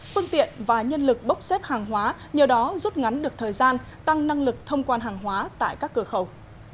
phương tiện và nhân lực bốc xếp hàng hóa nhờ đó rút ngắn được thời gian tăng năng lực thông quan hàng hóa tại các cửa khẩu